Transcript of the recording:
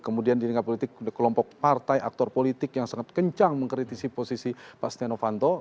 kemudian di lingkah politik kelompok partai aktor politik yang sangat kencang mengkritisi posisi pak stiano fanto